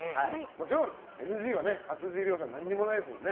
もちろんＮＧは勝地涼さん何もないですよね。